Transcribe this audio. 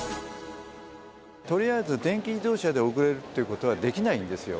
とりあえず電気自動車で遅れるということはできないんですよ。